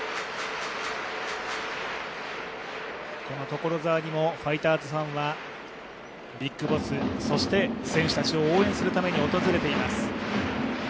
所沢にもファイターズファンはＢＩＧＢＯＳＳ、そして選手たちを応援するために訪れています。